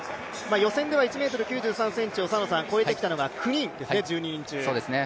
予選では１ｍ９３ｃｍを越えてきたのが９人ですね１０人中。